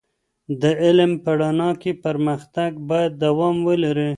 د علم په رڼا کې پر مختګ باید دوام ولري.